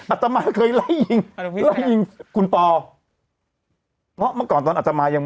ตมาเคยไล่ยิงไล่ยิงคุณปอเพราะเมื่อก่อนตอนอัตมายัง